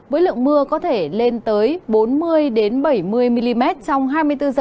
với lượng mưa có thể lên tới bốn mươi bảy mươi mm trong hai mươi bốn h